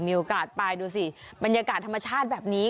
มีโอกาสไปดูสิบรรยากาศธรรมชาติแบบนี้